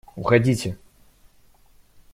Уходите!..